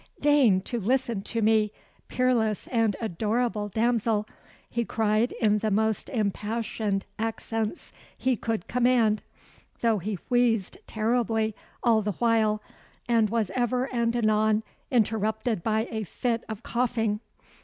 "Deign to listen to me, peerless and adorable damsel!" he cried in the most impassioned accents he could command, though he wheezed terribly all the while, and was ever and anon interrupted by a fit of coughing.